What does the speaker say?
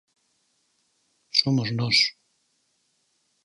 Somos nós.